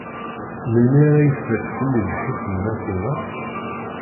Melmi ara ifakk fell-i lḥif n Nasima?